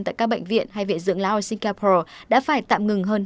tại các bệnh viện hay dưỡng láo ở singapore đã phải tạm ngừng hơn hai năm